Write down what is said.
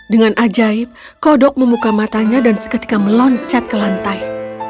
dengan ajaib kodok memuka matanya dan seketika meloncat ke lantai